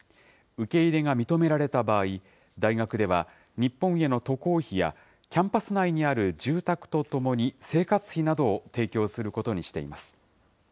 受け入れが認められた場合、大学では、日本への渡航費やキャンパス内にある住宅とともに、生活費などを提供することにしています。